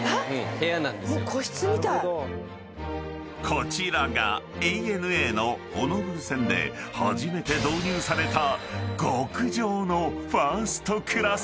［こちらがＡＮＡのホノルル線で初めて導入された極上の］